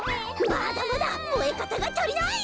まだまだもえかたがたりない！